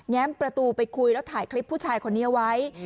้มประตูไปคุยแล้วถ่ายคลิปผู้ชายคนนี้ไว้